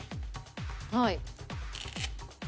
はい。